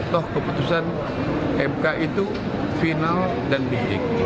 toh keputusan mk itu final dan biji